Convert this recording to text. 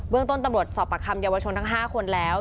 เรื่องต้นตำรวจสอบประคำเยาวชนทั้ง๕คนแล้ว